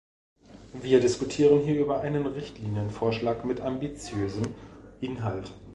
Wir diskutieren hier über einen Richtlinienvorschlag mit ambitiösem Inhalt.